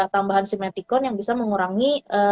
tambahan simeticon yang bisa mengurangi